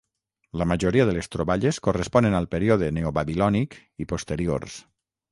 La majoria de les troballes corresponen al període Neobabilònic i posteriors.